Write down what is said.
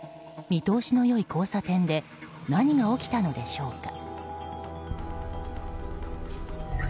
見通しの良い交差点で何が起きたのでしょうか。